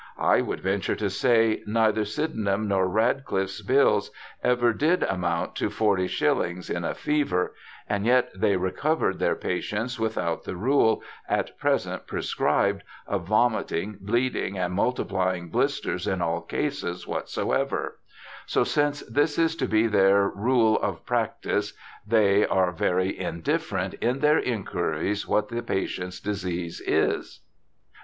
I would venture to say, Neither Syden ham's nor RadcHff's Bills did ever amount to Forty Shillings in a Fever, and yet they recover'd their Patients without the Rule, at present prescribed, of Vomiting, Bleeding, and multiplying Blisters in all Cases whatsoever; so since this is to be their Rule of Prac tice, they are very indifferent in their Enquiries what the Patient's Disease is.'